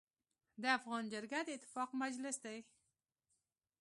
د افغان جرګه د اتفاق مجلس دی.